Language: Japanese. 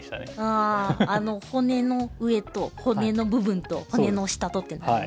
あああの骨の上と骨の部分と骨の下とってなるんですよね。